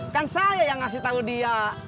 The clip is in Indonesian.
kan saya yang ngasih tahu dia